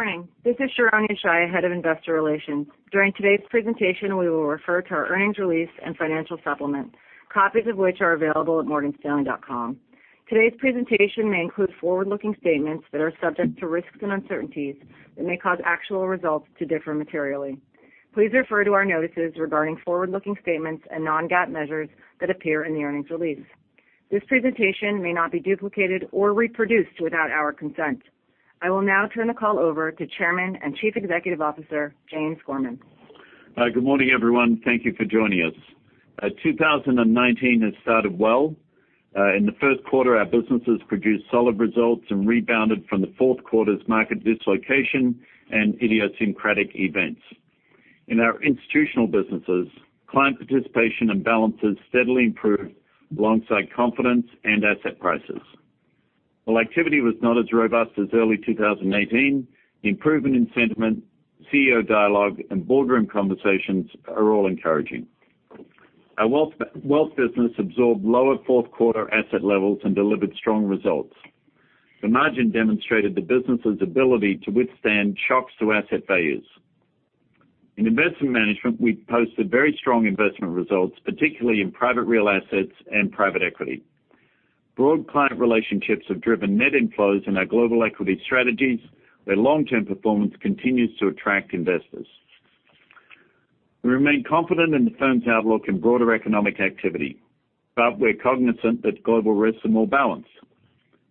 Good morning. This is Sharon Yeshaya, Head of Investor Relations. During today's presentation, we will refer to our earnings release and financial supplement, copies of which are available at morganstanley.com. Today's presentation may include forward-looking statements that are subject to risks and uncertainties that may cause actual results to differ materially. Please refer to our notices regarding forward-looking statements and non-GAAP measures that appear in the earnings release. This presentation may not be duplicated or reproduced without our consent. I will now turn the call over to Chairman and Chief Executive Officer, James Gorman. Hi. Good morning, everyone. Thank you for joining us. 2019 has started well. In the first quarter, our businesses produced solid results and rebounded from the fourth quarter's market dislocation and idiosyncratic events. In our institutional businesses, client participation and balances steadily improved alongside confidence and asset prices. While activity was not as robust as early 2018, improvement in sentiment, CEO dialogue, and boardroom conversations are all encouraging. Our wealth business absorbed lower fourth-quarter asset levels and delivered strong results. The margin demonstrated the business's ability to withstand shocks to asset values. In investment management, we posted very strong investment results, particularly in private real assets and private equity. Broad client relationships have driven net inflows in our global equity strategies, where long-term performance continues to attract investors. We remain confident in the firm's outlook in broader economic activity, but we're cognizant that global risks are more balanced.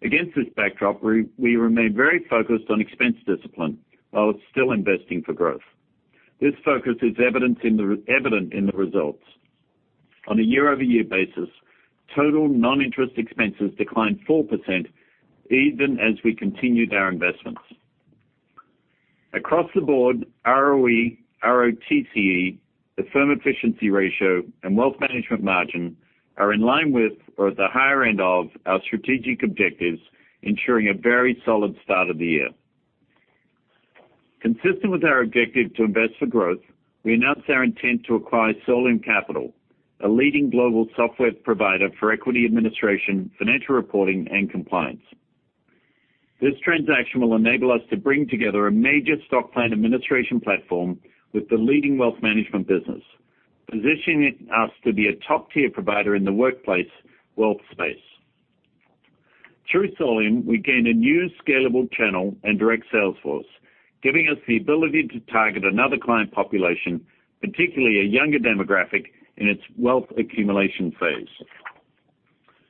Against this backdrop, we remain very focused on expense discipline, while still investing for growth. This focus is evident in the results. On a year-over-year basis, total non-interest expenses declined 4%, even as we continued our investments. Across the board, ROE, ROTCE, the firm efficiency ratio, and wealth management margin are in line with or at the higher end of our strategic objectives, ensuring a very solid start of the year. Consistent with our objective to invest for growth, we announce our intent to acquire Solium Capital, a leading global software provider for equity administration, financial reporting, and compliance. This transaction will enable us to bring together a major stock plan administration platform with the leading wealth management business, positioning us to be a top-tier provider in the workplace wealth space. Through Solium, we gain a new scalable channel and direct sales force, giving us the ability to target another client population, particularly a younger demographic in its wealth accumulation phase.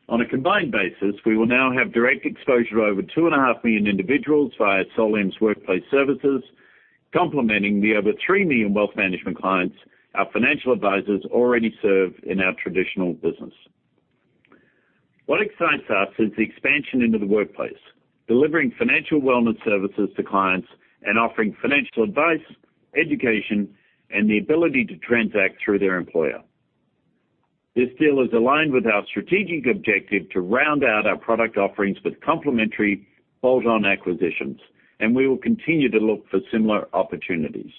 On a combined basis, we will now have direct exposure to over two and a half million individuals via Solium's workplace services, complementing the over three million wealth management clients our financial advisors already serve in our traditional business. What excites us is the expansion into the workplace, delivering financial wellness services to clients and offering financial advice, education, and the ability to transact through their employer. This deal is aligned with our strategic objective to round out our product offerings with complementary bolt-on acquisitions, and we will continue to look for similar opportunities.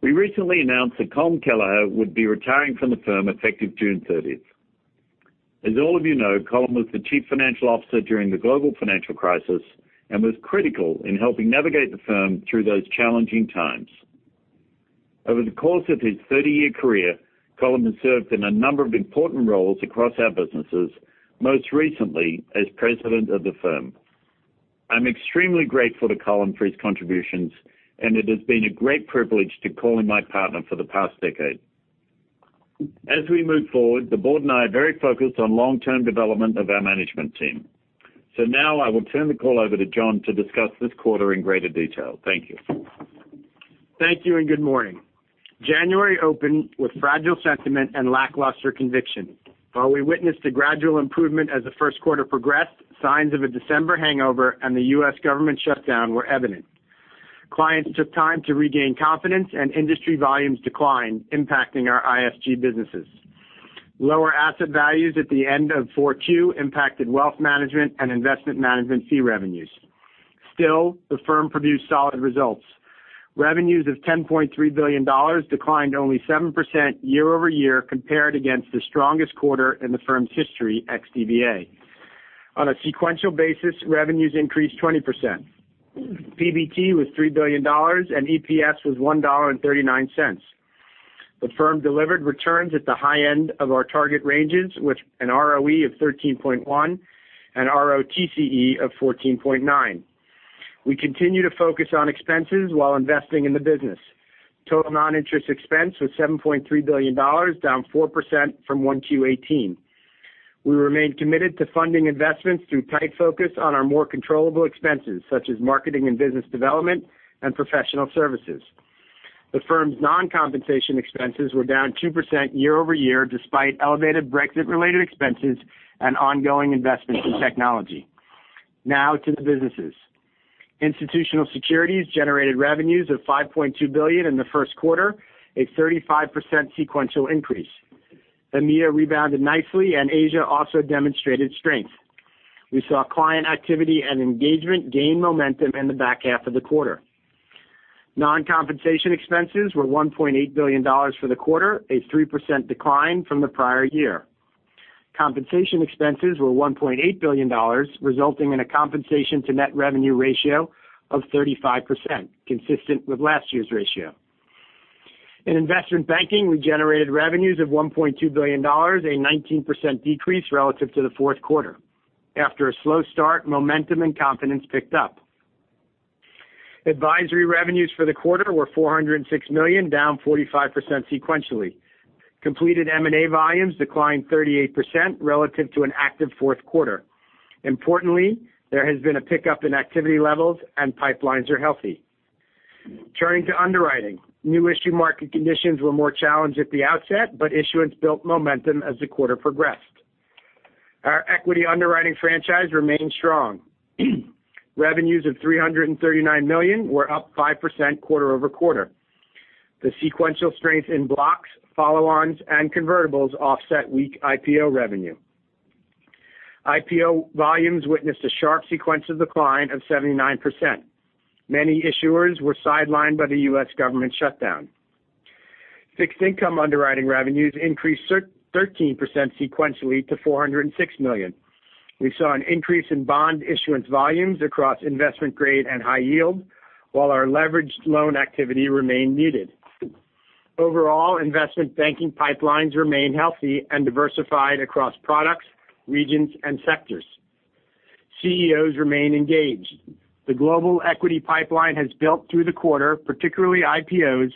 We recently announced that Colm Kelleher would be retiring from the firm effective June 30th. As all of you know, Colm was the Chief Financial Officer during the global financial crisis and was critical in helping navigate the firm through those challenging times. Over the course of his 30-year career, Colm has served in a number of important roles across our businesses, most recently as President of the firm. I am extremely grateful to Colm for his contributions, and it has been a great privilege to call him my partner for the past decade. As we move forward, the Board and I are very focused on long-term development of our management team. Now I will turn the call over to Jon to discuss this quarter in greater detail. Thank you. Thank you. Good morning. January opened with fragile sentiment and lackluster conviction. While we witnessed a gradual improvement as the first quarter progressed, signs of a December hangover and the U.S. government shutdown were evident. Clients took time to regain confidence, and industry volumes declined, impacting our ISG businesses. Lower asset values at the end of 4Q impacted wealth management and investment management fee revenues. Still, the firm produced solid results. Revenues of $10.3 billion declined only 7% year-over-year compared against the strongest quarter in the firm's history, ex-DVA. On a sequential basis, revenues increased 20%. PBT was $3 billion, and EPS was $1.39. The firm delivered returns at the high end of our target ranges, with an ROE of 13.1 and ROTCE of 14.9. We continue to focus on expenses while investing in the business. Total non-interest expense was $7.3 billion, down 4% from 1Q 2018. We remain committed to funding investments through tight focus on our more controllable expenses, such as marketing and business development and professional services. The firm's non-compensation expenses were down 2% year-over-year, despite elevated Brexit-related expenses and ongoing investments in technology. To the businesses. Institutional securities generated revenues of $5.2 billion in the first quarter, a 35% sequential increase. EMEA rebounded nicely. Asia also demonstrated strength. We saw client activity and engagement gain momentum in the back half of the quarter. Non-compensation expenses were $1.8 billion for the quarter, a 3% decline from the prior year. Compensation expenses were $1.8 billion, resulting in a compensation to net revenue ratio of 35%, consistent with last year's ratio. In investment banking, we generated revenues of $1.2 billion, a 19% decrease relative to the fourth quarter. After a slow start, momentum and confidence picked up. Advisory revenues for the quarter were $406 million, down 45% sequentially. Completed M&A volumes declined 38% relative to an active fourth quarter. Importantly, there has been a pickup in activity levels and pipelines are healthy. Turning to underwriting. New issue market conditions were more challenged at the outset. Issuance built momentum as the quarter progressed. Our equity underwriting franchise remained strong. Revenues of $339 million were up 5% quarter-over-quarter. The sequential strength in blocks, follow-ons, and convertibles offset weak IPO revenue. IPO volumes witnessed a sharp sequence of decline of 79%. Many issuers were sidelined by the U.S. government shutdown. Fixed income underwriting revenues increased 13% sequentially to $406 million. We saw an increase in bond issuance volumes across investment grade and high yield, while our leveraged loan activity remained needed. Overall, investment banking pipelines remain healthy and diversified across products, regions, and sectors. CEOs remain engaged. The global equity pipeline has built through the quarter, particularly IPOs,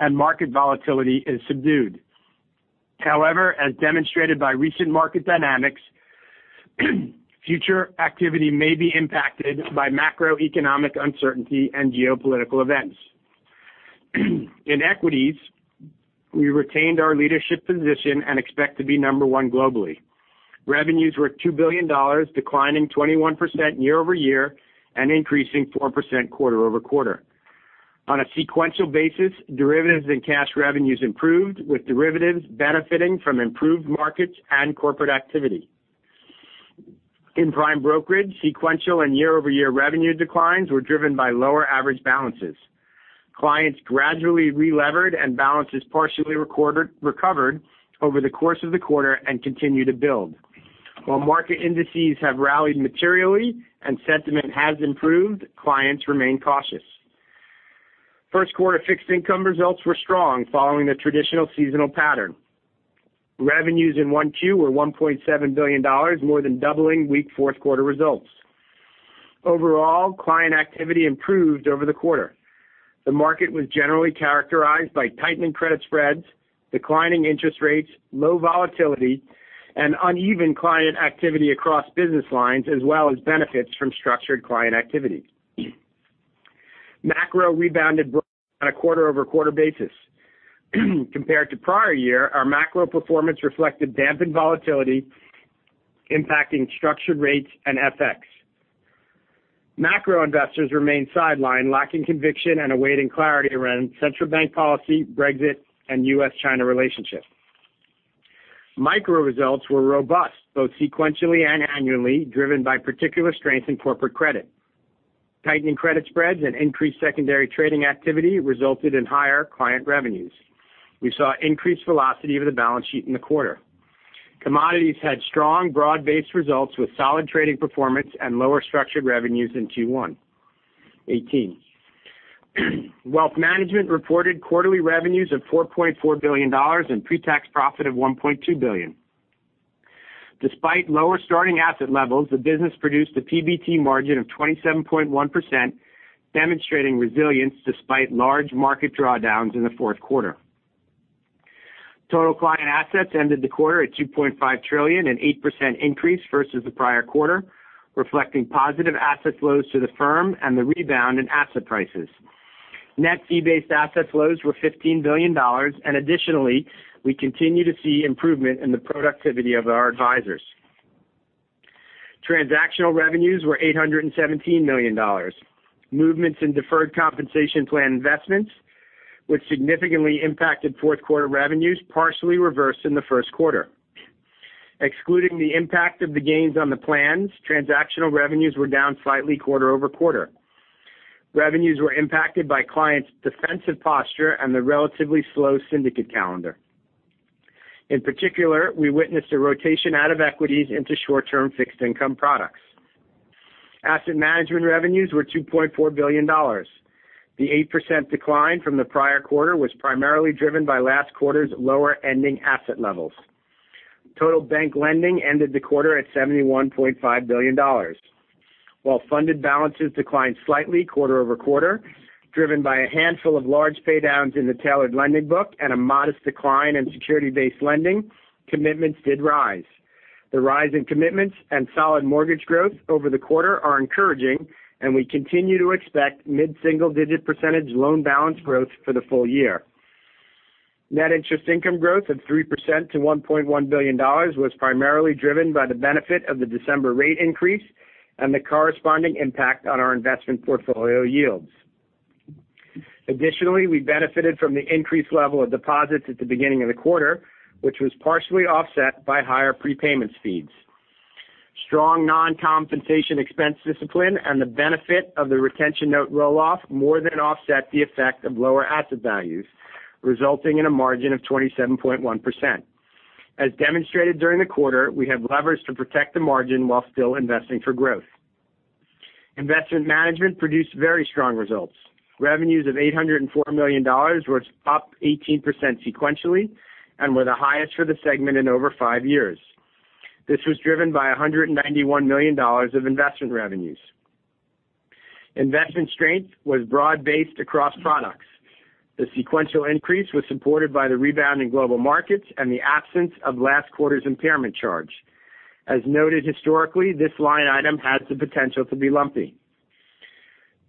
and market volatility is subdued. As demonstrated by recent market dynamics, future activity may be impacted by macroeconomic uncertainty and geopolitical events. In equities, we retained our leadership position and expect to be number one globally. Revenues were $2 billion, declining 21% year-over-year and increasing 4% quarter-over-quarter. On a sequential basis, derivatives and cash revenues improved, with derivatives benefiting from improved markets and corporate activity. In prime brokerage, sequential and year-over-year revenue declines were driven by lower average balances. Clients gradually relevered, and balances partially recovered over the course of the quarter and continue to build. While market indices have rallied materially and sentiment has improved, clients remain cautious. First quarter fixed income results were strong following the traditional seasonal pattern. Revenues in Q1 were $1.7 billion, more than doubling weak fourth quarter results. Overall, client activity improved over the quarter. The market was generally characterized by tightening credit spreads, declining interest rates, low volatility, and uneven client activity across business lines, as well as benefits from structured client activity. Macro rebounded on a quarter-over-quarter basis. Compared to prior year, our macro performance reflected dampened volatility, impacting structured rates and FX. Macro investors remained sidelined, lacking conviction and awaiting clarity around central bank policy, Brexit, and U.S.-China relationship. Micro results were robust, both sequentially and annually, driven by particular strength in corporate credit. Tightening credit spreads and increased secondary trading activity resulted in higher client revenues. We saw increased velocity of the balance sheet in the quarter. Commodities had strong, broad-based results with solid trading performance and lower structured revenues in Q1 2018. Wealth management reported quarterly revenues of $4.4 billion and pre-tax profit of $1.2 billion. Despite lower starting asset levels, the business produced a PBT margin of 27.1%, demonstrating resilience despite large market drawdowns in the fourth quarter. Total client assets ended the quarter at $2.5 trillion, an 8% increase versus the prior quarter, reflecting positive asset flows to the firm and the rebound in asset prices. Net fee-based asset flows were $15 billion. We continue to see improvement in the productivity of our advisors. Transactional revenues were $817 million. Movements in deferred compensation plan investments, which significantly impacted fourth quarter revenues, partially reversed in the first quarter. Excluding the impact of the gains on the plans, transactional revenues were down slightly quarter-over-quarter. Revenues were impacted by clients' defensive posture and the relatively slow syndicate calendar. In particular, we witnessed a rotation out of equities into short-term fixed income products. Asset management revenues were $2.4 billion. The 8% decline from the prior quarter was primarily driven by last quarter's lower ending asset levels. Total bank lending ended the quarter at $71.5 billion. While funded balances declined slightly quarter-over-quarter, driven by a handful of large paydowns in the Tailored Lending book and a modest decline in security-based lending, commitments did rise. The rise in commitments and solid mortgage growth over the quarter are encouraging, and we continue to expect mid-single-digit percentage loan balance growth for the full year. Net interest income growth of 3% to $1.1 billion was primarily driven by the benefit of the December rate increase and the corresponding impact on our investment portfolio yields. Additionally, we benefited from the increased level of deposits at the beginning of the quarter, which was partially offset by higher prepayments fees. Strong non-compensation expense discipline and the benefit of the retention note roll-off more than offset the effect of lower asset values, resulting in a margin of 27.1%. As demonstrated during the quarter, we have levers to protect the margin while still investing for growth. Investment management produced very strong results. Revenues of $804 million were up 18% sequentially and were the highest for the segment in over five years. This was driven by $191 million of investment revenues. Investment strength was broad-based across products. The sequential increase was supported by the rebound in global markets and the absence of last quarter's impairment charge. As noted historically, this line item has the potential to be lumpy.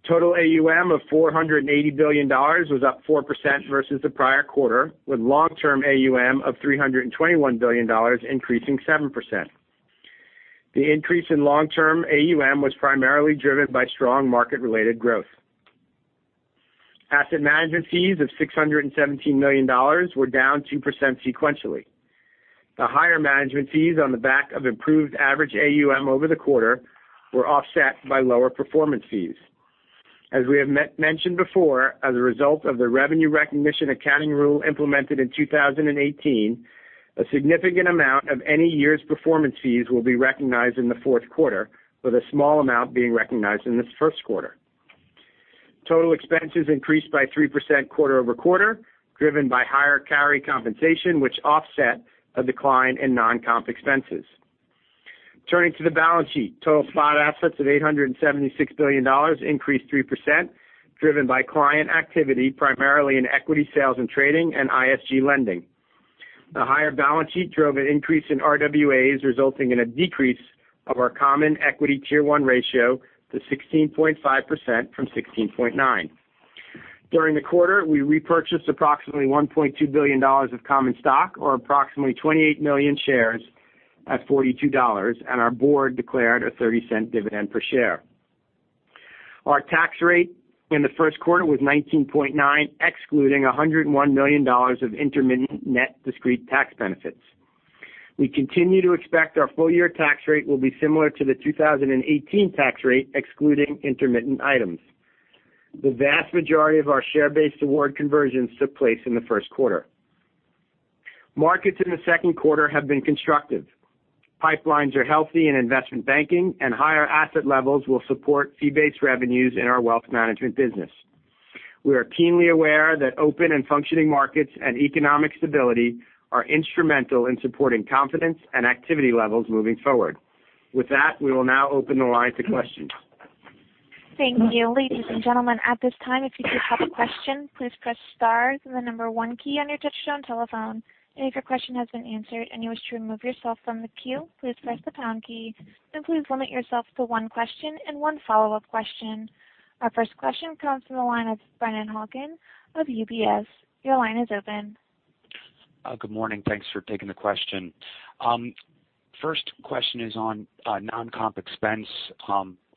Total AUM of $480 billion was up 4% versus the prior quarter, with long-term AUM of $321 billion increasing 7%. The increase in long-term AUM was primarily driven by strong market-related growth. Asset management fees of $617 million were down 2% sequentially. The higher management fees on the back of improved average AUM over the quarter were offset by lower performance fees. As we have mentioned before, as a result of the revenue recognition accounting rule implemented in 2018, a significant amount of any year's performance fees will be recognized in the fourth quarter, with a small amount being recognized in this first quarter. Total expenses increased by 3% quarter-over-quarter, driven by higher carried compensation, which offset a decline in non-comp expenses. Turning to the balance sheet, total spot assets of $876 billion increased 3%, driven by client activity, primarily in equity sales and trading and ISG lending. The higher balance sheet drove an increase in RWAs, resulting in a decrease of our Common Equity Tier 1 ratio to 16.5% from 16.9%. During the quarter, we repurchased approximately $1.2 billion of common stock, or approximately 28 million shares at $42, and our Board declared a $0.30 dividend per share. Our tax rate in the first quarter was 19.9%, excluding $101 million of intermittent net discrete tax benefits. We continue to expect our full-year tax rate will be similar to the 2018 tax rate, excluding intermittent items. The vast majority of our share-based award conversions took place in the first quarter. Markets in the second quarter have been constructive. Pipelines are healthy in investment banking, and higher asset levels will support fee-based revenues in our wealth management business. We are keenly aware that open and functioning markets and economic stability are instrumental in supporting confidence and activity levels moving forward. With that, we will now open the line to questions. Thank you. Ladies and gentlemen, at this time, if you do have a question, please press star and the number one key on your touchtone telephone. If your question has been answered and you wish to remove yourself from the queue, please press the pound key. Please limit yourself to one question and one follow-up question. Our first question comes from the line of Brennan Hawken of UBS. Your line is open. Good morning. Thanks for taking the question. First question is on non-comp expense.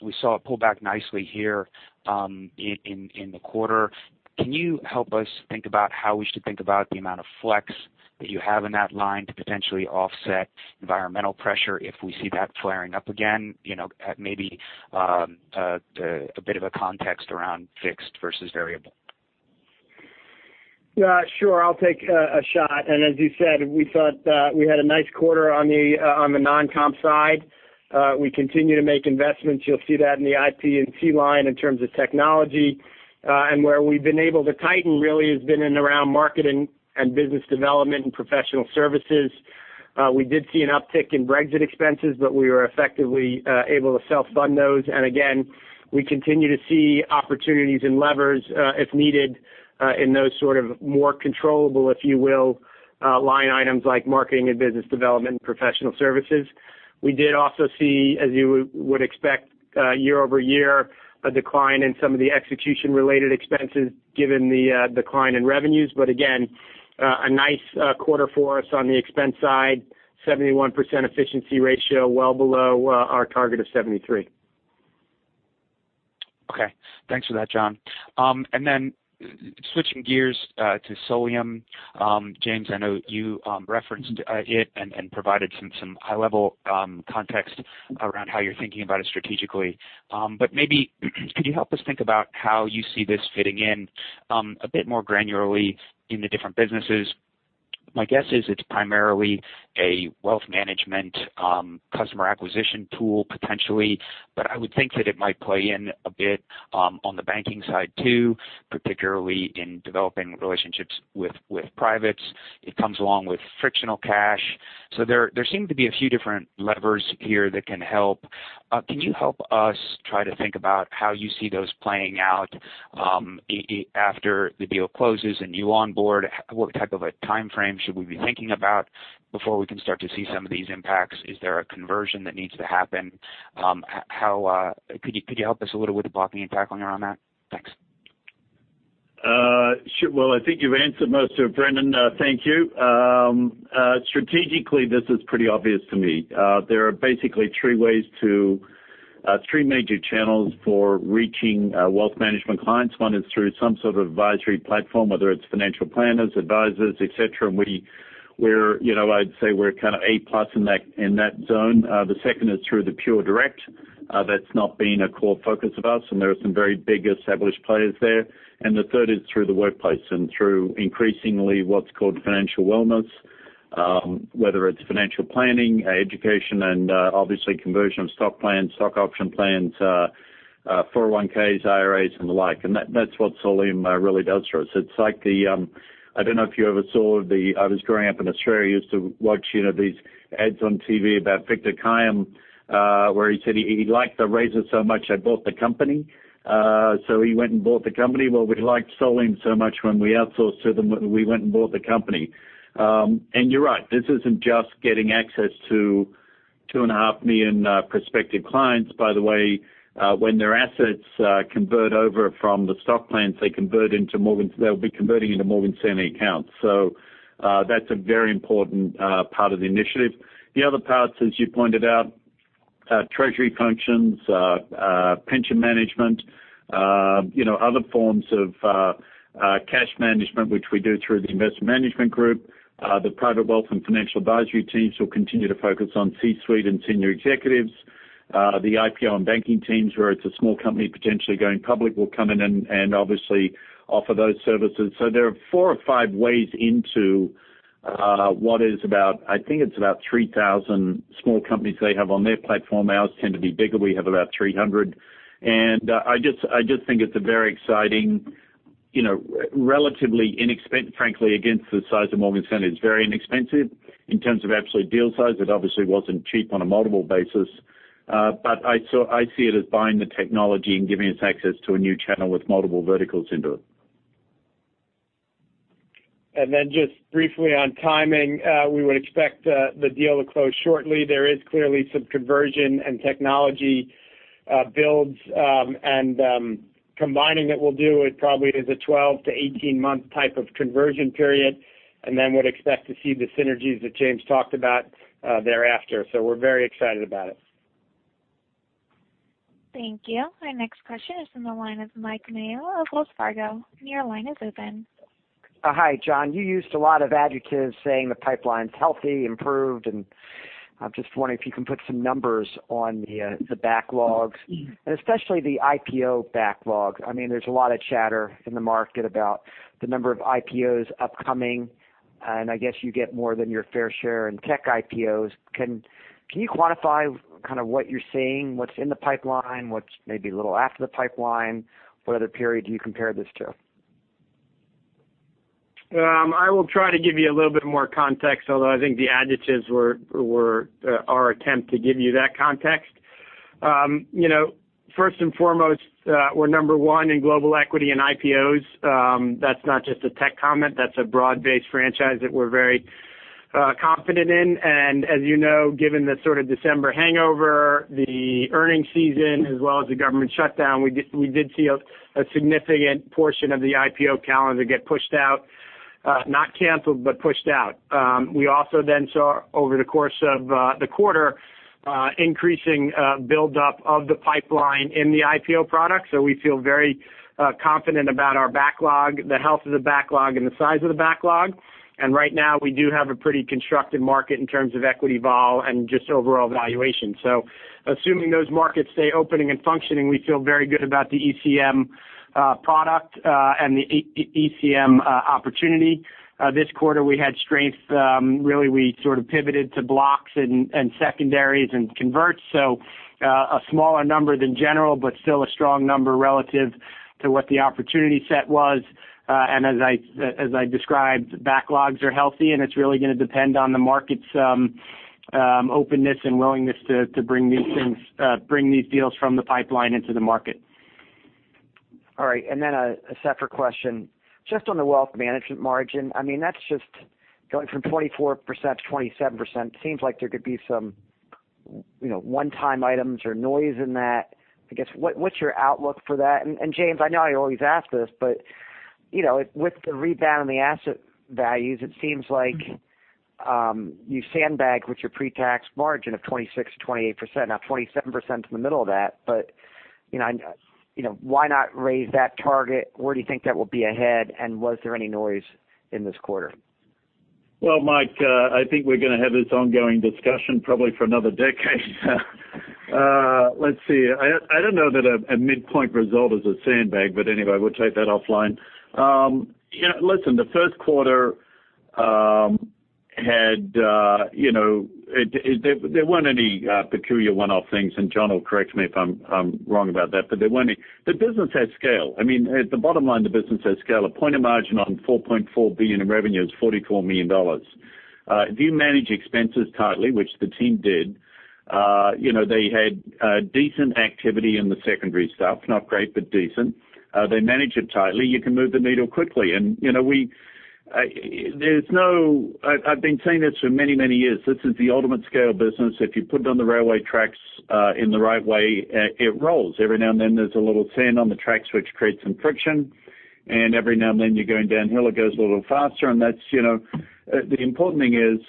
We saw it pull back nicely here in the quarter. Can you help us think about how we should think about the amount of flex that you have in that line to potentially offset environmental pressure if we see that flaring up again? Maybe a bit of a context around fixed versus variable. Sure. I'll take a shot. As you said, we thought we had a nice quarter on the non-comp side. We continue to make investments. You'll see that in the IT&T line in terms of technology. Where we've been able to tighten really has been in around marketing and business development and professional services. We did see an uptick in Brexit expenses, but we were effectively able to self-fund those. Again, we continue to see opportunities and levers, if needed, in those sort of more controllable, if you will, line items like marketing and business development and professional services. We did also see, as you would expect year-over-year, a decline in some of the execution-related expenses given the decline in revenues. Again, a nice quarter for us on the expense side, 71% efficiency ratio, well below our target of 73%. Okay. Thanks for that, Jon. Then switching gears to Solium. James, I know you referenced it and provided some high-level context around how you're thinking about it strategically. Maybe, could you help us think about how you see this fitting in a bit more granularly in the different businesses? My guess is it's primarily a wealth management customer acquisition tool, potentially, but I would think that it might play in a bit on the banking side too, particularly in developing relationships with privates. It comes along with frictional cash. There seem to be a few different levers here that can help. Can you help us try to think about how you see those playing out after the deal closes and you onboard? What type of a timeframe should we be thinking about before we can start to see some of these impacts? Is there a conversion that needs to happen? Could you help us a little with the blocking and tackling around that? Thanks. Sure. Well, I think you've answered most of it, Brennan. Thank you. Strategically, this is pretty obvious to me. There are basically three major channels for reaching wealth management clients. One is through some sort of advisory platform, whether it's financial planners, advisors, et cetera. I'd say we're A+ in that zone. The second is through the pure direct. That's not been a core focus of ours, and there are some very big established players there. The third is through the workplace and through increasingly what's called financial wellness, whether it's financial planning, education, and obviously conversion of stock plans, stock option plans, 401(k)s, IRAs, and the like. That's what Solium really does for us. I don't know if you ever saw the. I was growing up in Australia, I used to watch these ads on TV about Victor Kiam where he said he liked the razor so much he bought the company. He went and bought the company. Well, we liked Solium so much when we outsourced to them, we went and bought the company. You're right. This isn't just getting access to 2.5 million prospective clients, by the way. When their assets convert over from the stock plans, they'll be converting into Morgan Stanley accounts. That's a very important part of the initiative. The other parts, as you pointed out, are treasury functions, pension management, other forms of cash management, which we do through the investment management group. The private wealth and financial advisory teams will continue to focus on C-suite and Senior Executives. The IPO and banking teams, where it's a small company potentially going public, will come in and obviously offer those services. There are four or five ways into what is about, I think it's about 3,000 small companies they have on their platform. Ours tend to be bigger. We have about 300. I just think it's a very exciting, relatively inexpensive, frankly, against the size of Morgan Stanley, it's very inexpensive in terms of absolute deal size. It obviously wasn't cheap on a multiple basis. I see it as buying the technology and giving us access to a new channel with multiple verticals into it. Just briefly on timing, we would expect the deal to close shortly. There is clearly some conversion and technology builds. Combining it will do is probably a 12-18 months type of conversion period, then would expect to see the synergies that James talked about thereafter. We're very excited about it. Thank you. Our next question is from the line of Mike Mayo of Wells Fargo. Your line is open. Hi, Jon. You used a lot of adjectives saying the pipeline's healthy, improved, I'm just wondering if you can put some numbers on the backlogs and especially the IPO backlog. There's a lot of chatter in the market about the number of IPOs upcoming, I guess you get more than your fair share in tech IPOs. Can you quantify what you're seeing, what's in the pipeline, what's maybe a little after the pipeline? What other period do you compare this to? I will try to give you a little bit more context, although I think the adjectives were our attempt to give you that context. First and foremost, we're number one in global equity and IPOs. That's not just a tech comment. That's a broad-based franchise that we're very confident in. As you know, given the sort of December hangover, the earnings season, as well as the government shutdown, we did see a significant portion of the IPO calendar get pushed out. Not canceled, but pushed out. We also saw over the course of the quarter, increasing buildup of the pipeline in the IPO product. We feel very confident about our backlog, the health of the backlog, and the size of the backlog. Right now, we do have a pretty constructive market in terms of equity vol and just overall valuation. Assuming those markets stay opening and functioning, we feel very good about the ECM product and the ECM opportunity. This quarter, we had strength. Really, we sort of pivoted to blocks and secondaries and converts. A smaller number than general, but still a strong number relative to what the opportunity set was. As I described, backlogs are healthy, and it's really going to depend on the market's openness and willingness to bring these deals from the pipeline into the market. All right. A separate question. Just on the Wealth Management margin, that's just going from 24%-27%, seems like there could be some one-time items or noise in that. I guess, what's your outlook for that? James, I know I always ask this, but with the rebound in the asset values, it seems like you sandbagged with your pre-tax margin of 26%-28%, now 27% in the middle of that. Why not raise that target? Where do you think that will be ahead, and was there any noise in this quarter? Well, Mike, I think we're going to have this ongoing discussion probably for another decade. Let's see. I don't know that a midpoint result is a sandbag, anyway, we'll take that offline. Listen, the first quarter, there weren't any peculiar one-off things, Jon will correct me if I'm wrong about that. The business has scale. The bottom line, the business has scale. A point of margin on $4.4 billion in revenue is $44 million. If you manage expenses tightly, which the team did, they had decent activity in the secondary stuff. Not great, but decent. They manage it tightly. You can move the needle quickly. I've been saying this for many, many years. This is the ultimate scale business. If you put it on the railway tracks in the right way, it rolls. Every now and then there's a little sand on the tracks which creates some friction. Every now and then you're going downhill, it goes a little faster. The important thing is,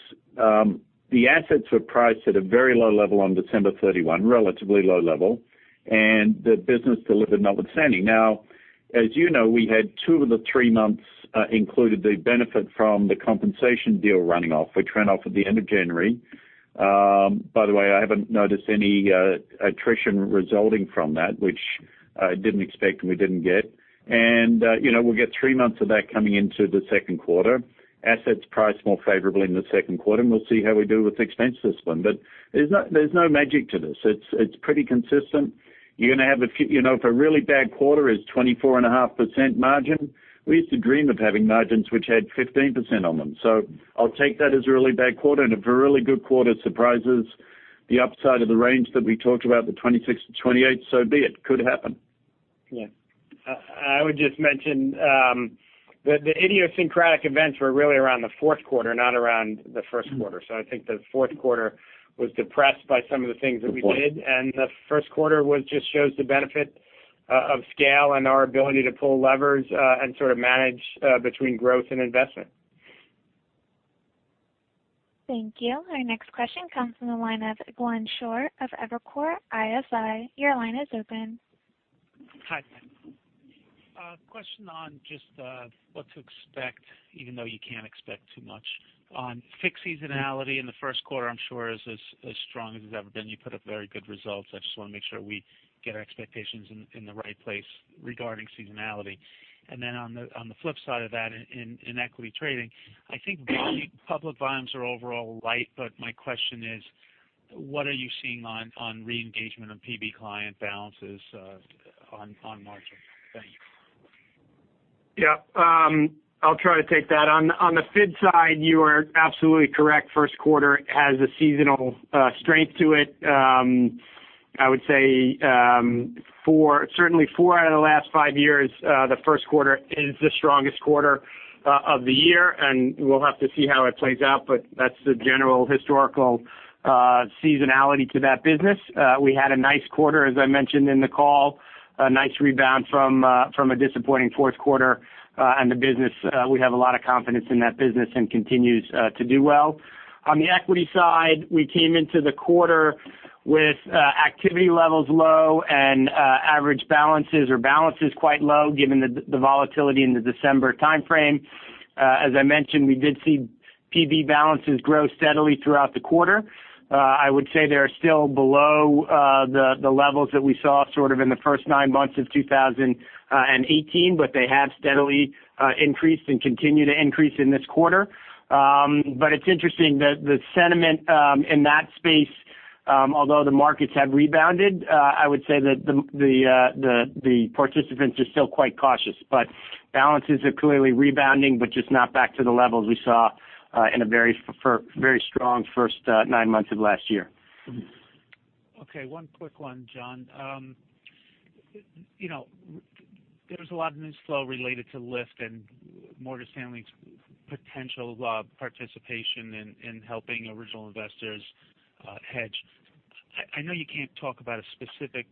the assets were priced at a very low level on December 31, relatively low level, the business delivered notwithstanding. As you know, we had two of the three months included the benefit from the compensation deal running off, which ran off at the end of January. By the way, I haven't noticed any attrition resulting from that, which I didn't expect and we didn't get. We'll get three months of that coming into the second quarter. Assets priced more favorably in the second quarter, we'll see how we do with expense this one. There's no magic to this. It's pretty consistent. If a really bad quarter is 24.5% margin, we used to dream of having margins which had 15% on them. I'll take that as a really bad quarter, and if a really good quarter surprises the upside of the range that we talked about, the 26%-28%, so be it. Could happen. Yeah. I would just mention, the idiosyncratic events were really around the fourth quarter, not around the first quarter. I think the fourth quarter was depressed by some of the things that we did, and the first quarter just shows the benefit of scale and our ability to pull levers, and sort of manage between growth and investment. Thank you. Our next question comes from the line of Glenn Schorr of Evercore ISI. Your line is open. Hi, Glenn. A question on just what to expect, even though you can't expect too much. On fixed seasonality in the first quarter, I'm sure is as strong as it's ever been. You put up very good results. I just want to make sure we get our expectations in the right place regarding seasonality. Then on the flip side of that, in equity trading, I think public volumes are overall light, but my question is, what are you seeing on re-engagement of PB client balances on margin? Thanks. I'll try to take that. On the [fid] side, you are absolutely correct. First quarter has a seasonal strength to it. I would say certainly four out of the last five years, the First quarter is the strongest quarter of the year, and we'll have to see how it plays out, but that's the general historical seasonality to that business. We had a nice quarter, as I mentioned in the call. A nice rebound from a disappointing fourth quarter. We have a lot of confidence in that business, and continues to do well. On the equity side, we came into the quarter with activity levels low and average balances or balances quite low given the volatility in the December timeframe. As I mentioned, we did see PB balances grow steadily throughout the quarter. I would say they are still below the levels that we saw sort of in the first nine months of 2018, but they have steadily increased and continue to increase in this quarter. But it's interesting, the sentiment in that space, although the markets have rebounded, I would say that the participants are still quite cautious. But balances are clearly rebounding, but just not back to the levels we saw in a very strong first nine months of last year. One quick one, Jon. There's a lot of news flow related to Lyft and Morgan Stanley's potential participation in helping original investors hedge. I know you can't talk about a specific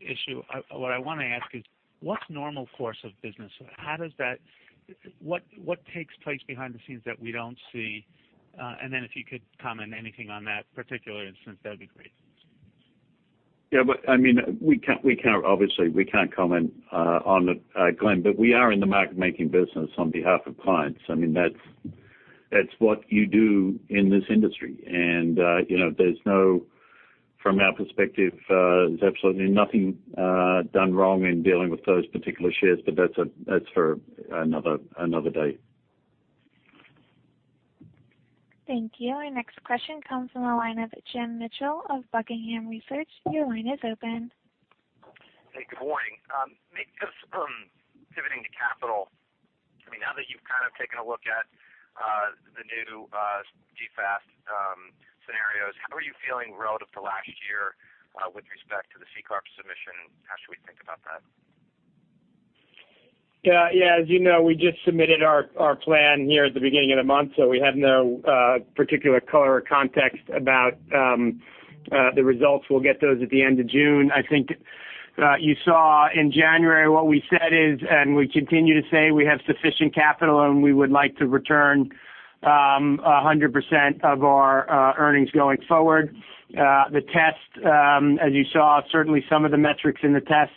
issue. What I want to ask is, what's normal course of business? What takes place behind the scenes that we don't see? Then if you could comment anything on that particular instance, that'd be great. Obviously, we can't comment on it, Glenn, but we are in the market making business on behalf of clients. That's what you do in this industry. From our perspective, there's absolutely nothing done wrong in dealing with those particular shares, but that's for another day. Thank you. Our next question comes from the line of James Mitchell of Buckingham Research. Your line is open. Hey, good morning. Maybe just pivoting to capital. Now that you've kind of taken a look at the new DFAST scenarios, how are you feeling relative to last year with respect to the CCAR submission? How should we think about that? Yeah. As you know, we just submitted our plan here at the beginning of the month, so we have no particular color or context about the results. We'll get those at the end of June. I think you saw in January what we said is, and we continue to say, we have sufficient capital and we would like to return 100% of our earnings going forward. The test, as you saw, certainly some of the metrics in the test,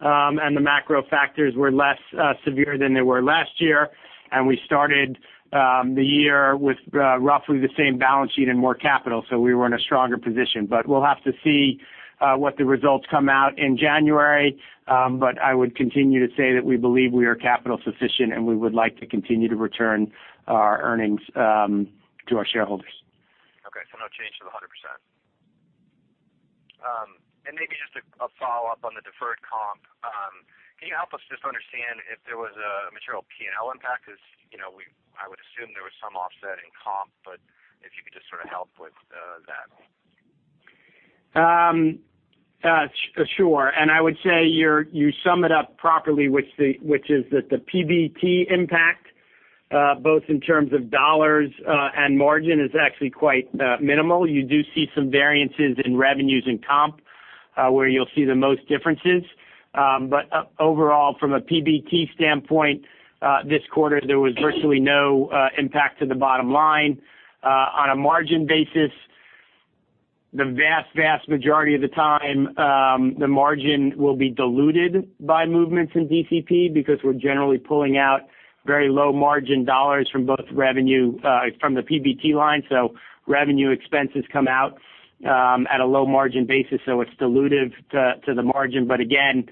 and the macro factors were less severe than they were last year. We started the year with roughly the same balance sheet and more capital, so we were in a stronger position. We'll have to see what the results come out in January. I would continue to say that we believe we are capital sufficient and we would like to continue to return our earnings to our shareholders. Okay, no change to the 100%. Maybe just a follow-up on the deferred comp. Can you help us just understand if there was a material P&L impact? Because I would assume there was some offset in comp, but if you could just sort of help with that. Sure. I would say you sum it up properly, which is that the PBT impact. Both in terms of dollars and margin is actually quite minimal. You do see some variances in revenues and comp where you'll see the most differences. Overall, from a PBT standpoint, this quarter there was virtually no impact to the bottom line. On a margin basis, the vast majority of the time, the margin will be diluted by movements in DCP because we're generally pulling out very low margin dollars from both revenue from the PBT line. Revenue expenses come out at a low margin basis, so it's dilutive to the margin. Again,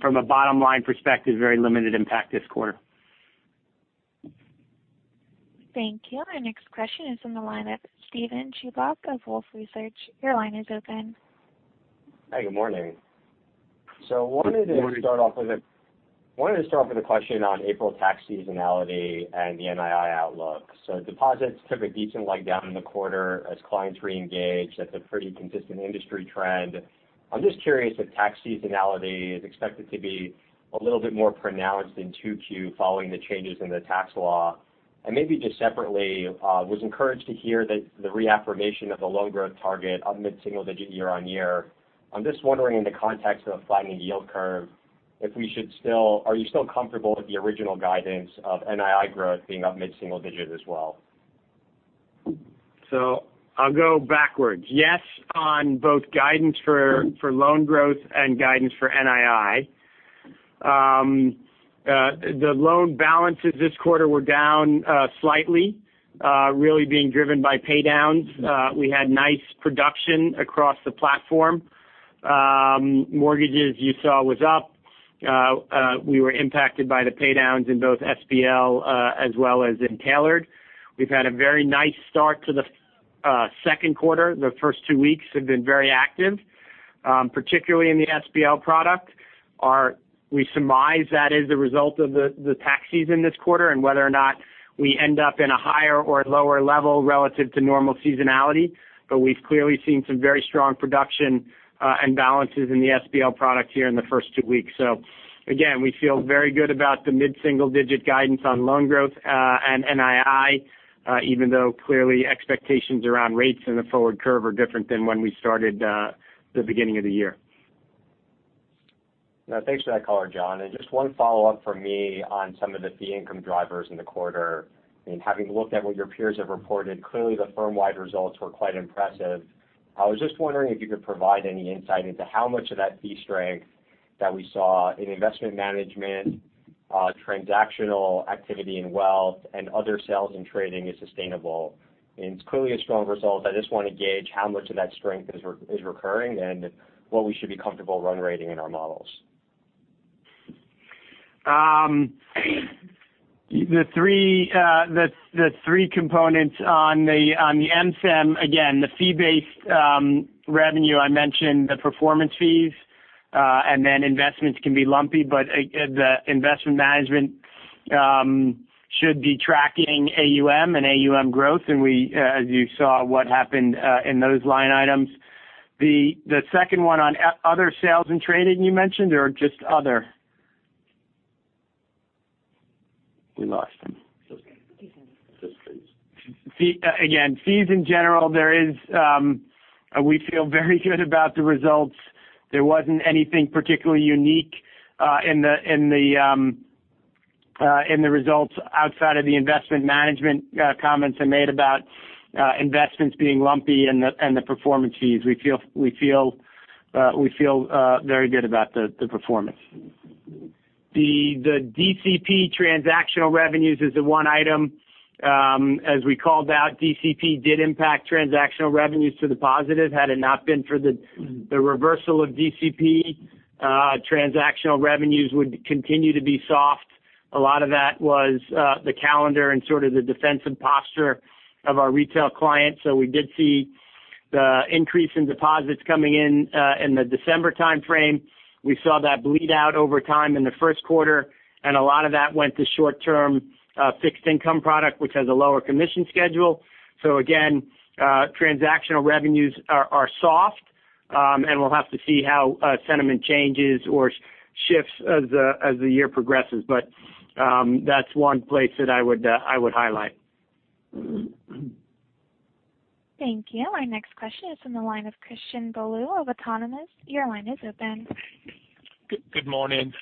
from a bottom-line perspective, very limited impact this quarter. Thank you. Our next question is on the line of Steven Chubak of Wolfe Research. Your line is open. Hi, good morning. Good morning. Wanted to start off with a question on April tax seasonality and the NII outlook. Deposits took a decent leg down in the quarter as clients reengaged. That's a pretty consistent industry trend. I'm just curious if tax seasonality is expected to be a little bit more pronounced in 2Q following the changes in the tax law. Maybe just separately, was encouraged to hear that the reaffirmation of the loan growth target of mid-single digit year-on-year. I'm just wondering in the context of a flattening yield curve, are you still comfortable with the original guidance of NII growth being up mid-single digit as well? I'll go backwards. Yes, on both guidance for loan growth and guidance for NII. The loan balances this quarter were down slightly, really being driven by pay downs. We had nice production across the platform. Mortgages you saw was up. We were impacted by the pay downs in both SBL as well as in Tailored. We've had a very nice start to the second quarter. The first two weeks have been very active, particularly in the SBL product. We surmise that is the result of the tax season this quarter and whether or not we end up in a higher or lower level relative to normal seasonality. We've clearly seen some very strong production and balances in the SBL product here in the first two weeks. Again, we feel very good about the mid-single digit guidance on loan growth, and NII, even though clearly expectations around rates in the forward curve are different than when we started the beginning of the year. Thanks for that color, Jon. Just one follow-up from me on some of the fee income drivers in the quarter. Having looked at what your peers have reported, clearly the firm-wide results were quite impressive. I was just wondering if you could provide any insight into how much of that fee strength that we saw in investment management, transactional activity in wealth and other sales and trading is sustainable. It's clearly a strong result. I just want to gauge how much of that strength is recurring and what we should be comfortable run rating in our models. The three components on the MCEM. The fee-based revenue, I mentioned the performance fees. Investments can be lumpy, but the investment management should be tracking AUM and AUM growth. As you saw what happened in those line items. The second one on other sales and trading you mentioned or just other? We lost him. He's here. Just fees. Again, fees in general, we feel very good about the results. There wasn't anything particularly unique in the results outside of the investment management comments I made about investments being lumpy and the performance fees. We feel very good about the performance. The DCP transactional revenues is the one item. As we called out, DCP did impact transactional revenues to the positive. Had it not been for the reversal of DCP, transactional revenues would continue to be soft. A lot of that was the calendar and sort of the defensive posture of our retail clients. We did see the increase in deposits coming in the December time frame. We saw that bleed out over time in the first quarter, and a lot of that went to short-term fixed income product, which has a lower commission schedule. Again, transactional revenues are soft. We'll have to see how sentiment changes or shifts as the year progresses. That's one place that I would highlight. Thank you. Our next question is on the line of Christian Bolu of Autonomous. Your line is open. Good morning.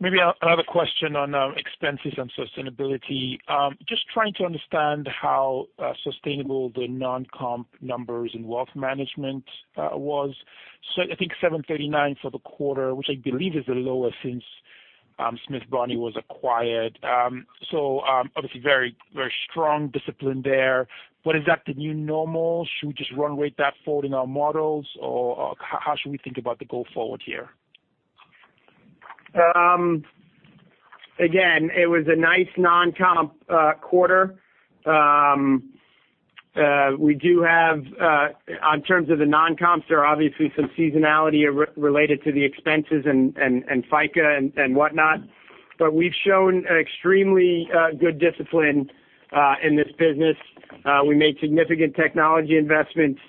Maybe another question on expenses and sustainability. Just trying to understand how sustainable the non-comp numbers in wealth management was. I think $739 for the quarter, which I believe is the lowest since Smith Barney was acquired. Obviously very strong discipline there. Is that the new normal? Should we just run rate that forward in our models? How should we think about the go forward here? It was a nice non-comp quarter. In terms of the non-comps, there are obviously some seasonality related to the expenses and FICA and whatnot. We've shown extremely good discipline in this business. We made significant technology investments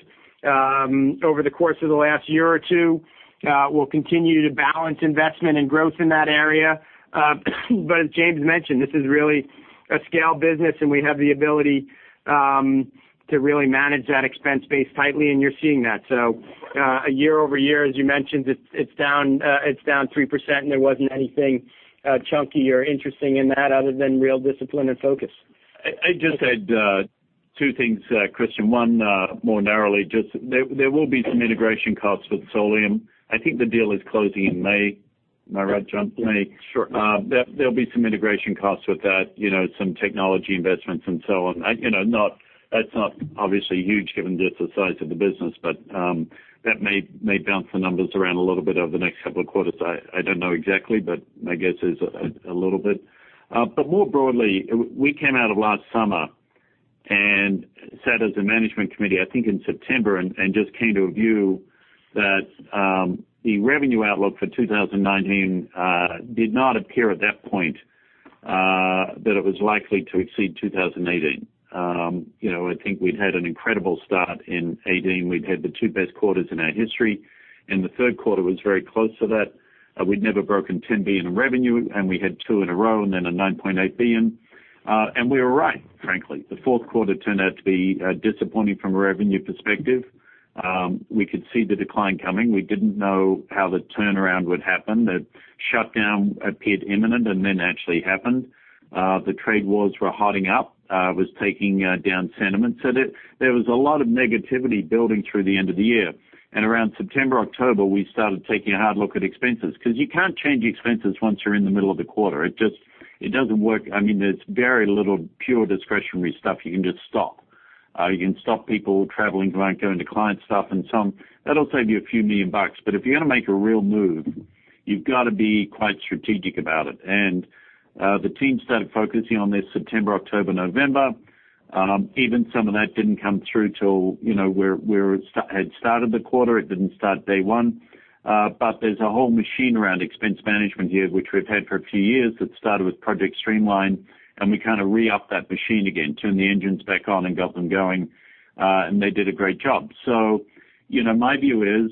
over the course of the last year or two. We'll continue to balance investment and growth in that area. As James mentioned, this is really a scale business, and we have the ability to really manage that expense base tightly, and you're seeing that. Year-over-year, as you mentioned, it's down 3%, and there wasn't anything chunky or interesting in that other than real discipline and focus. I just had two things, Christian. One, more narrowly, just there will be some integration costs with Solium. I think the deal is closing in May. Am I right, Jon? May. Sure. There'll be some integration costs with that, some technology investments and so on. That's not obviously huge given just the size of the business, but that may bounce the numbers around a little bit over the next couple of quarters. I don't know exactly, but my guess is a little bit. More broadly, we came out of last summer and sat as a management committee, I think, in September and just came to a view that the revenue outlook for 2019 did not appear at that point that it was likely to exceed 2018. I think we'd had an incredible start in 2018. We'd had the two best quarters in our history, and the third quarter was very close to that. We'd never broken $10 billion in revenue, and we had two in a row and then a $9.8 billion. We were right, frankly. The fourth quarter turned out to be disappointing from a revenue perspective. We could see the decline coming. We didn't know how the turnaround would happen. The shutdown appeared imminent and then actually happened. The trade wars were hotting up, was taking down sentiment. There was a lot of negativity building through the end of the year. Around September, October, we started taking a hard look at expenses because you can't change expenses once you're in the middle of the quarter. It doesn't work. There's very little pure discretionary stuff you can just stop. You can stop people traveling, going to client stuff and some. That'll save you a few million bucks. If you're going to make a real move, you've got to be quite strategic about it. The team started focusing on this September, October, November. Even some of that didn't come through till we had started the quarter. It didn't start day one. There's a whole machine around expense management here, which we've had for a few years, that started with Project Streamline, and we kind of re-up that machine again, turned the engines back on and got them going. They did a great job. My view is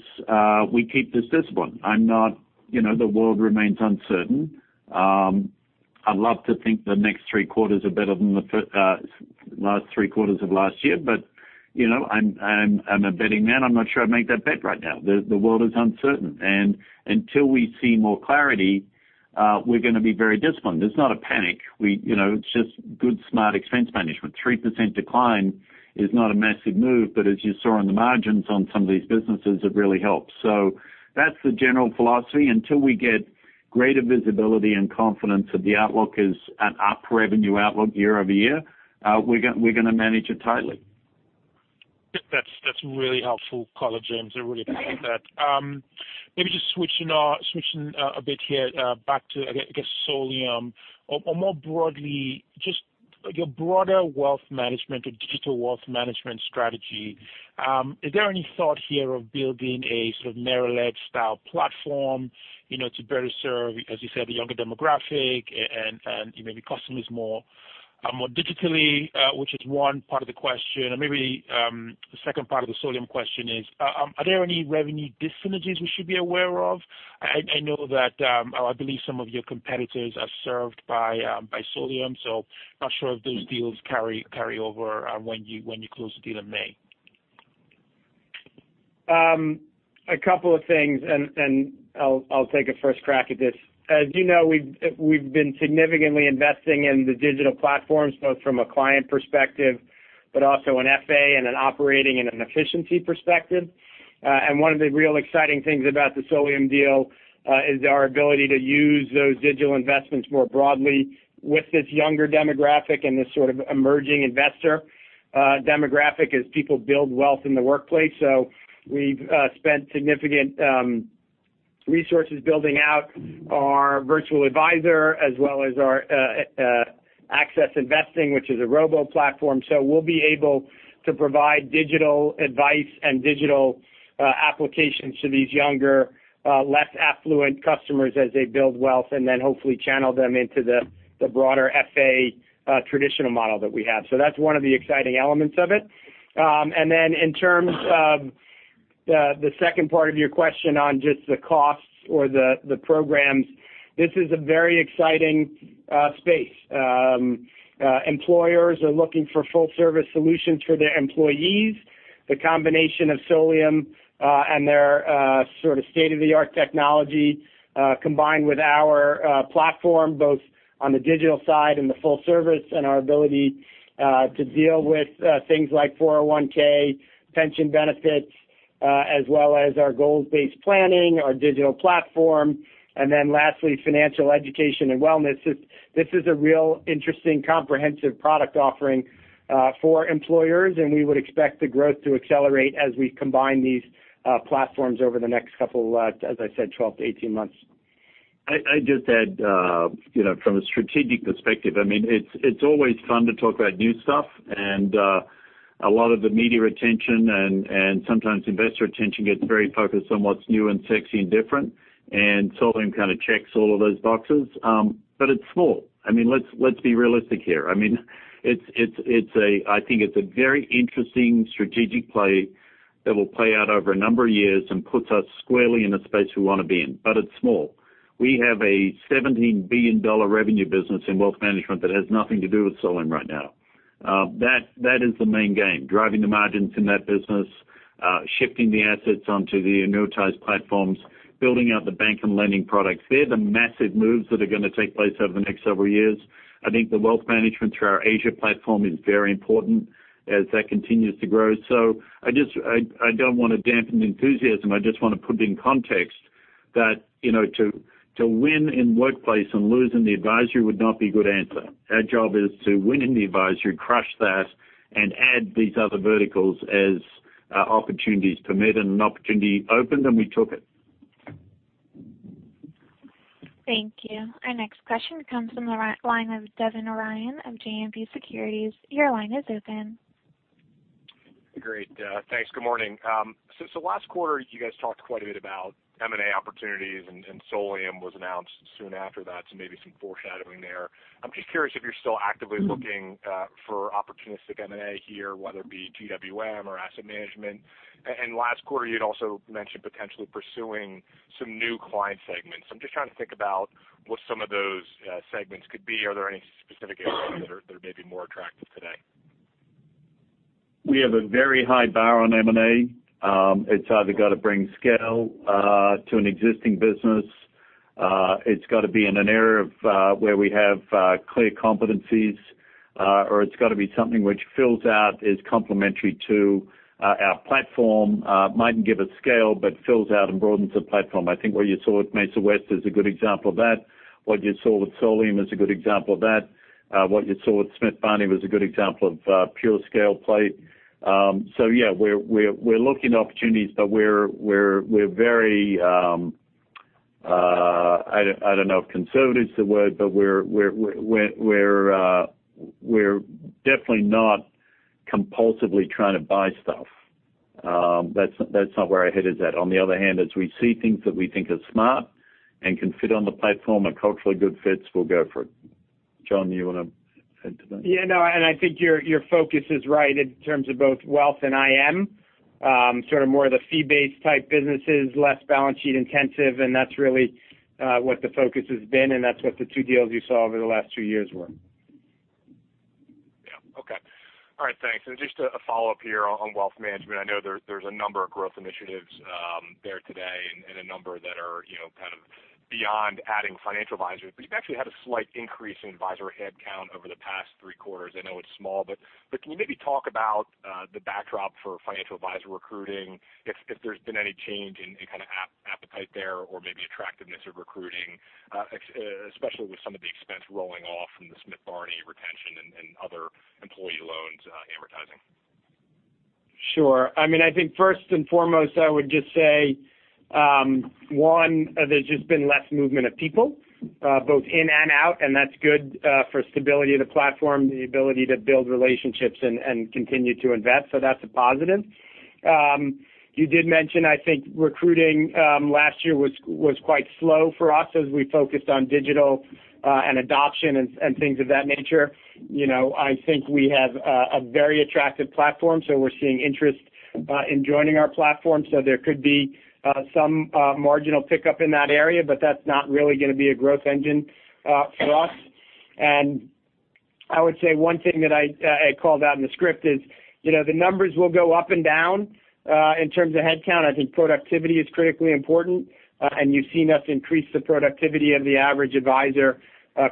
we keep this discipline. The world remains uncertain. I'd love to think the next three quarters are better than the last three quarters of last year. I'm a betting man, I'm not sure I'd make that bet right now. The world is uncertain, and until we see more clarity, we're going to be very disciplined. It's not a panic. It's just good, smart expense management. 3% decline is not a massive move, but as you saw in the margins on some of these businesses, it really helps. That's the general philosophy. Until we get greater visibility and confidence that the outlook is an up revenue outlook year-over-year, we're going to manage it tightly. That's really helpful color, James. I really appreciate that. Maybe just switching a bit here back to, I guess, Solium or more broadly, just your broader wealth management or digital wealth management strategy. Is there any thought here of building a sort of Merrill Edge style platform to better serve, as you said, the younger demographic and maybe customers more digitally? Which is one part of the question. Maybe the second part of the Solium question is, are there any revenue dyssynergies we should be aware of? I believe some of your competitors are served by Solium, so I'm not sure if those deals carry over when you close the deal in May. A couple of things, and I'll take a first crack at this. As you know, we've been significantly investing in the digital platforms, both from a client perspective, but also an FA and an operating and an efficiency perspective. One of the real exciting things about the Solium deal is our ability to use those digital investments more broadly with this younger demographic and this sort of emerging investor demographic as people build wealth in the workplace. We've spent significant resources building out our Virtual Advisor as well as our Access Investing, which is a robot platform. We'll be able to provide digital advice and digital applications to these younger less affluent customers as they build wealth and then hopefully channel them into the broader FA traditional model that we have. That's one of the exciting elements of it. In terms of the second part of your question on just the costs or the programs, this is a very exciting space. Employers are looking for full-service solutions for their employees. The combination of Solium and their sort of state-of-the-art technology combined with our platform, both on the digital side and the full service, and our ability to deal with things like 401(k), pension benefits, as well as our goals-based planning, our digital platform, lastly, financial education and wellness. This is a real interesting comprehensive product offering for employers, and we would expect the growth to accelerate as we combine these platforms over the next couple of, as I said, 12-18 months. I just add from a strategic perspective. It's always fun to talk about new stuff and a lot of the media attention and sometimes investor attention gets very focused on what's new and sexy and different, and Solium kind of checks all of those boxes. It's small. Let's be realistic here. I think it's a very interesting strategic play that will play out over a number of years and puts us squarely in a space we want to be in, but it's small. We have a $17 billion revenue business in wealth management that has nothing to do with Solium right now. That is the main game, driving the margins in that business, shifting the assets onto the annuitized platforms, building out the bank and lending products. They're the massive moves that are going to take place over the next several years. I think the wealth management through our Asia platform is very important as that continues to grow. I don't want to dampen the enthusiasm. I just want to put it in context that, to win in workplace and lose in the advisory would not be a good answer. Our job is to win in the advisory, crush that, and add these other verticals as opportunities permit. An opportunity opened and we took it. Thank you. Our next question comes from the line of Devin Ryan of JMP Securities. Your line is open. Great. Thanks. Good morning. Since the last quarter, you guys talked quite a bit about M&A opportunities, and Solium was announced soon after that, so maybe some foreshadowing there. I'm just curious if you're still actively looking for opportunistic M&A here, whether it be GWM or asset management. Last quarter, you had also mentioned potentially pursuing some new client segments. I'm just trying to think about what some of those segments could be. Are there any specific areas that are maybe more attractive today? We have a very high bar on M&A. It's either got to bring scale to an existing business, it's got to be in an area where we have clear competencies, or it's got to be something which fills out, is complementary to our platform. Might not give it scale, but fills out and broadens the platform. I think what you saw with Mesa West is a good example of that. What you saw with Solium is a good example of that. What you saw with Smith Barney was a good example of pure scale play. Yeah, we're looking at opportunities, but we're very, I don't know if conservative is the word, but we're definitely not compulsively trying to buy stuff. That's not where our head is at. On the other hand, as we see things that we think are smart and can fit on the platform and culturally good fits, we'll go for it. Jon, you want to add to that? Yeah, no. I think your focus is right in terms of both wealth and IM. Sort of more of the fee-based type businesses, less balance sheet intensive, and that's really what the focus has been, and that's what the two deals you saw over the last two years were. Yeah. Okay. All right, thanks. Just a follow-up here on wealth management. I know there's a number of growth initiatives there today and a number that are kind of beyond adding financial advisors. You've actually had a slight increase in advisor headcount over the past three quarters. I know it's small, but can you maybe talk about the backdrop for financial advisor recruiting, if there's been any change in kind of appetite there or maybe attractiveness of recruiting, especially with some of the expense rolling off from the Smith Barney retention and other employee loans advertising. Sure. I think first and foremost, I would just say, one, there's just been less movement of people, both in and out, and that's good for stability of the platform, the ability to build relationships and continue to invest. That's a positive. You did mention, I think recruiting last year was quite slow for us as we focused on digital and adoption and things of that nature. I think we have a very attractive platform, so we're seeing interest in joining our platform. There could be some marginal pickup in that area, but that's not really going to be a growth engine for us. I would say one thing that I called out in the script is, the numbers will go up and down. In terms of headcount, I think productivity is critically important. You've seen us increase the productivity of the average advisor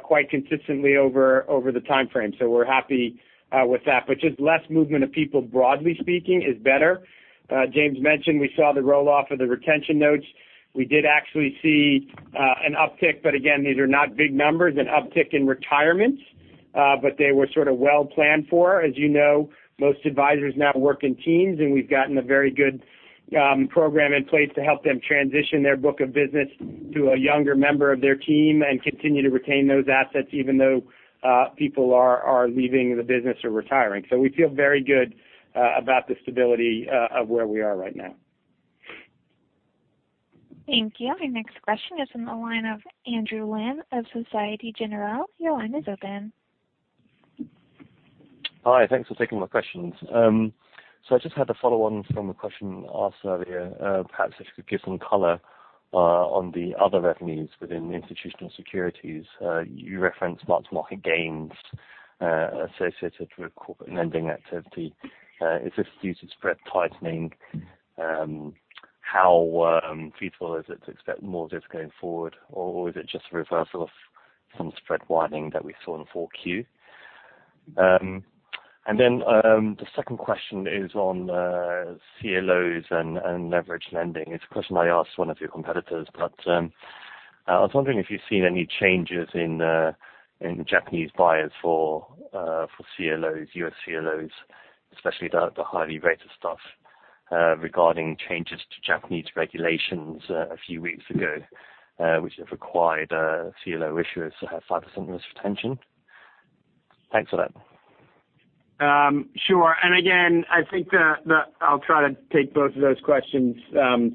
quite consistently over the timeframe. We're happy with that. Just less movement of people, broadly speaking, is better. James mentioned we saw the roll-off of the retention notes. We did actually see an uptick, but again, these are not big numbers, an uptick in retirements. They were sort of well planned for. As you know, most advisors now work in teams, and we've gotten a very good program in place to help them transition their book of business to a younger member of their team and continue to retain those assets, even though people are leaving the business or retiring. We feel very good about the stability of where we are right now. Thank you. Our next question is on the line of Andrew Lim of Société Générale. Your line is open. Hi. Thanks for taking my questions. I just had a follow-on from a question asked earlier. Perhaps if you could give some color on the other revenues within the institutional securities. You referenced marks-to-market gains associated with corporate lending activity. Is this due to spread tightening? How feasible is it to expect more of this going forward? Or is it just a reversal of some spread widening that we saw in 4Q? The second question is on CLOs and leverage lending. It's a question I asked one of your competitors, but I was wondering if you've seen any changes in Japanese buyers for CLOs, U.S. CLOs, especially the highly rated stuff, regarding changes to Japanese regulations a few weeks ago, which have required CLO issuers to have 5% risk retention. Thanks for that. Sure. Again, I think that I'll try to take both of those questions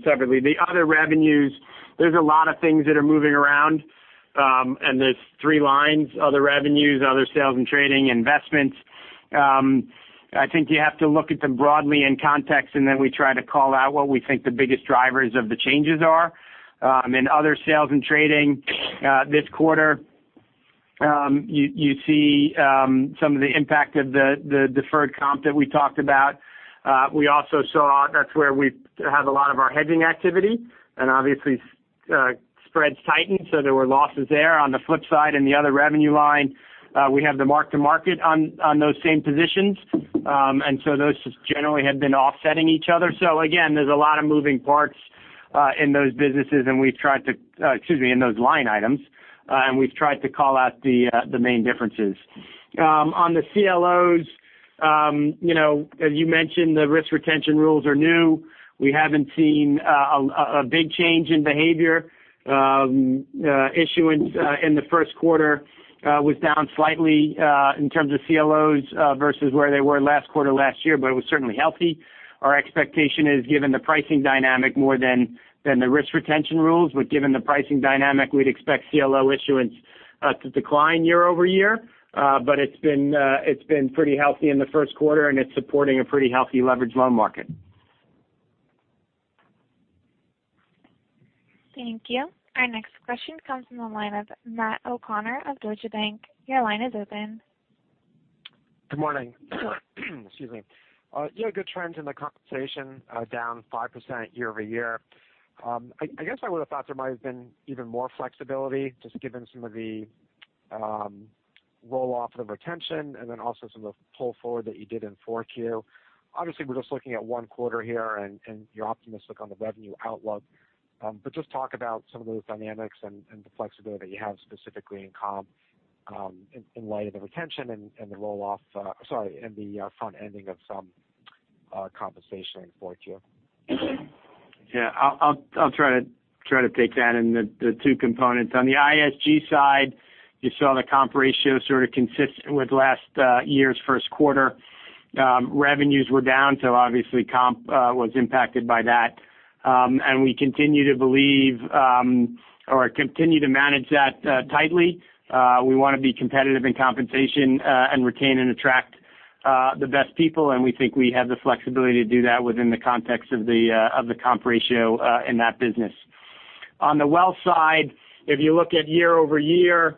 separately. The other revenues, there's a lot of things that are moving around. There's three lines, other revenues, other sales and trading, investments. I think you have to look at them broadly in context, then we try to call out what we think the biggest drivers of the changes are. In other sales and trading this quarter, you see some of the impact of the deferred comp that we talked about. We also saw that's where we have a lot of our hedging activity. Obviously, spreads tightened, so there were losses there. On the flip side, in the other revenue line, we have the mark to market on those same positions. Those just generally have been offsetting each other. Again, there's a lot of moving parts in those line items, we've tried to call out the main differences. On the CLOs, as you mentioned, the risk retention rules are new. We haven't seen a big change in behavior. Issuance in the first quarter was down slightly, in terms of CLOs versus where they were last quarter last year, but it was certainly healthy. Our expectation is given the pricing dynamic more than the risk retention rules. Given the pricing dynamic, we'd expect CLO issuance to decline year-over-year. It's been pretty healthy in the first quarter, and it's supporting a pretty healthy leverage loan market. Thank you. Our next question comes from the line of Matt O'Connor of Deutsche Bank. Your line is open. Good morning. Excuse me. You had good trends in the compensation, down 5% year-over-year. I guess I would've thought there might have been even more flexibility, just given some of the roll-off of retention and also some of the pull forward that you did in 4Q. Obviously, we're just looking at one quarter here, and you're optimistic on the revenue outlook. Just talk about some of those dynamics and the flexibility you have specifically in comp, in light of the retention and the front-ending of some compensation in 4Q. Yeah. I'll try to take that in the two components. On the ISG side, you saw the comp ratio sort of consistent with last year's first quarter. Revenues were down, so obviously comp was impacted by that. We continue to manage that tightly. We want to be competitive in compensation and retain and attract the best people, and we think we have the flexibility to do that within the context of the comp ratio in that business. On the wealth side, if you look at year-over-year,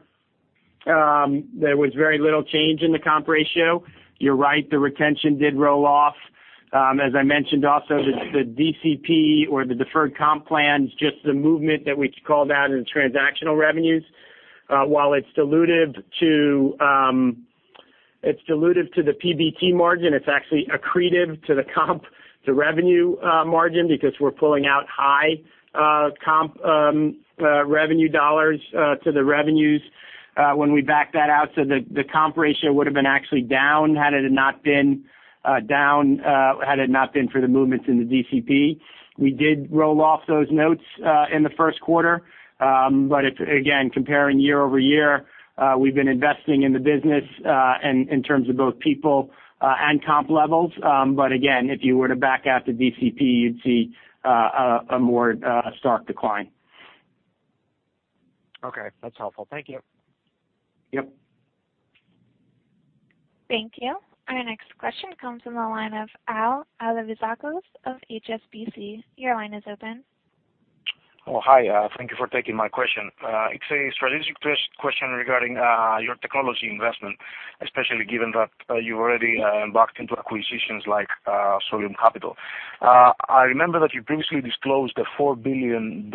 there was very little change in the comp ratio. You're right, the retention did roll off. As I mentioned also, the DCP or the deferred comp plans, just the movement that we call that in transactional revenues while it's dilutive to the PBT margin, it's actually accretive to the comp-to-revenue margin because we're pulling out high comp revenue dollars to the revenues when we back that out. The comp ratio would've been actually down had it not been for the movements in the DCP. We did roll off those notes in the first quarter. Again, comparing year-over-year, we've been investing in the business in terms of both people and comp levels. Again, if you were to back out the DCP, you'd see a more stark decline. Okay. That's helpful. Thank you. Yep. Thank you. Our next question comes from the line of Alevizos Alevizakos of HSBC. Your line is open. Oh, hi. Thank you for taking my question. It's a strategic question regarding your technology investment, especially given that you already embarked into acquisitions like Solium Capital. I remember that you previously disclosed a $4 billion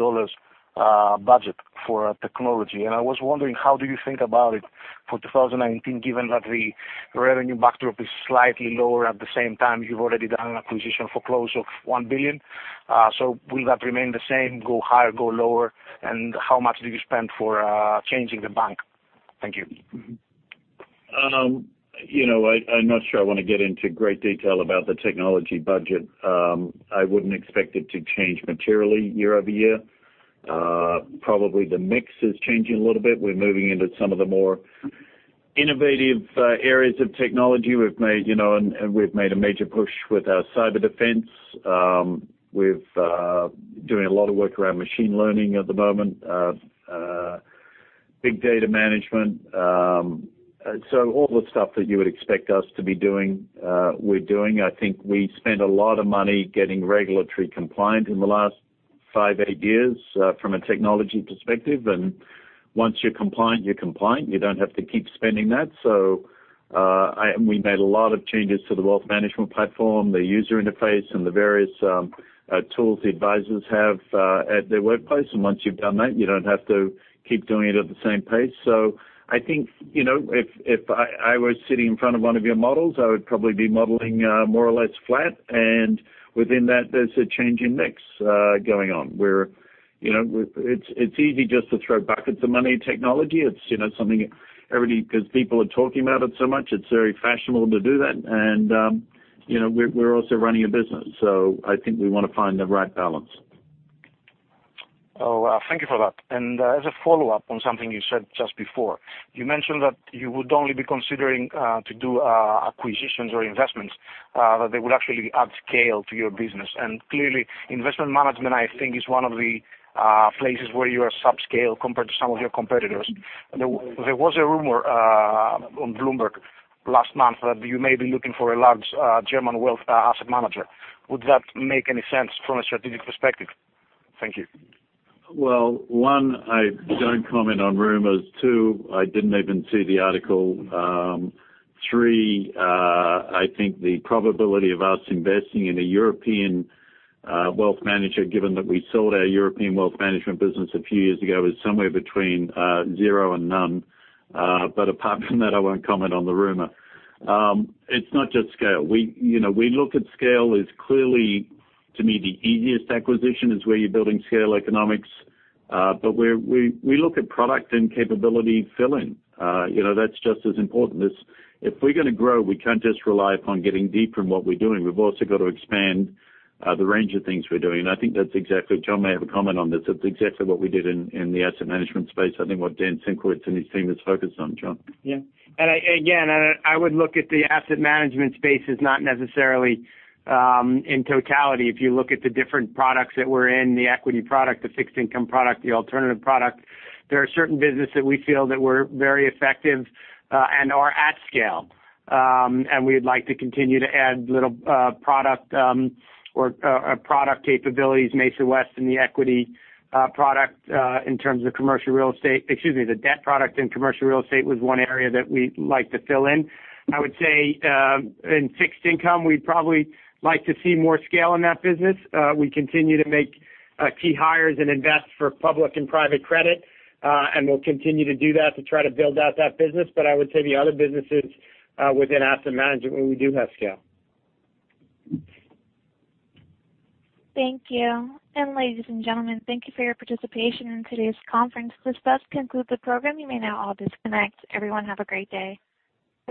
budget for technology. I was wondering, how do you think about it for 2019, given that the revenue backdrop is slightly lower at the same time you've already done an acquisition for close of $1 billion? Will that remain the same, go higher, go lower? How much do you spend for changing the bank? Thank you. I'm not sure I want to get into great detail about the technology budget. I wouldn't expect it to change materially year-over-year. Probably the mix is changing a little bit. We're moving into some of the more innovative areas of technology. We've made a major push with our cyber defense. We're doing a lot of work around machine learning at the moment, big data management. All the stuff that you would expect us to be doing, we're doing. I think we spent a lot of money getting regulatory compliant in the last five, eight years from a technology perspective. Once you're compliant, you're compliant. You don't have to keep spending that. We made a lot of changes to the wealth management platform, the user interface, and the various tools the advisors have at their workplace. Once you've done that, you don't have to keep doing it at the same pace. I think if I were sitting in front of one of your models, I would probably be modeling more or less flat. Within that, there's a change in mix going on. It's easy just to throw buckets of money at technology because people are talking about it so much. It's very fashionable to do that. We're also running a business. I think we want to find the right balance. Thank you for that. As a follow-up on something you said just before. You mentioned that you would only be considering to do acquisitions or investments that they would actually add scale to your business. Clearly, investment management, I think, is one of the places where you are sub-scale compared to some of your competitors. There was a rumor on Bloomberg last month that you may be looking for a large German wealth asset manager. Would that make any sense from a strategic perspective? Thank you. Well, one, I don't comment on rumors. Two, I didn't even see the article. Three, I think the probability of us investing in a European wealth manager, given that we sold our European wealth management business a few years ago, is somewhere between zero and none. Apart from that, I won't comment on the rumor. It's not just scale. We look at scale as clearly, to me, the easiest acquisition is where you're building scale economics. We look at product and capability fill-in. That's just as important. If we're going to grow, we can't just rely upon getting deeper in what we're doing. We've also got to expand the range of things we're doing. I think that's exactly, Jon may have a comment on this. That's exactly what we did in the asset management space. I think what Dan Simkowitz and his team is focused on. Jon? Yeah. Again, I would look at the asset management space as not necessarily in totality. If you look at the different products that we're in, the equity product, the fixed income product, the alternative product. There are certain business that we feel that we're very effective and are at scale. We'd like to continue to add little product or product capabilities, Mesa West in the equity product in terms of commercial real estate, excuse me, the debt product in commercial real estate was one area that we'd like to fill in. I would say, in fixed income, we'd probably like to see more scale in that business. We continue to make key hires and invest for public and private credit. We'll continue to do that to try to build out that business. I would say the other businesses within asset management, we do have scale. Thank you. Ladies and gentlemen, thank you for your participation in today's conference. This does conclude the program. You may now all disconnect. Everyone have a great day.